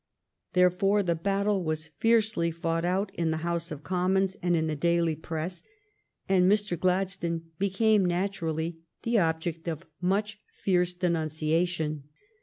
Therefore the battle was fiercely fought out in the House of Commons and in the daily press, and Mr. Gladstone became, naturally, the object of much fierce denunciation.